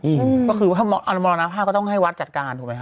หมอส์ก็คือว่าถ้ามอรรณาภาพก็ต้องให้วัดจัดการถูกไหมคะ